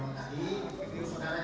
dari nomor tadi